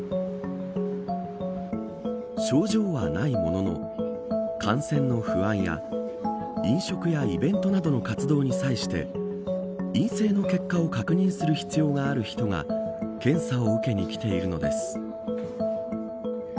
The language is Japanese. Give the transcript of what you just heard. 症状はないものの感染の不安や飲食やイベントなどの活動に際して陰性の結果を確認する必要がある人が検査を受けに来ているのです。